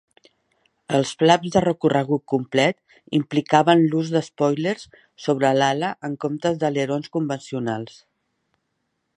Els flaps de recorregut complet implicaven l'ús d'espòilers sobre l'ala, en comptes d'alerons convencionals.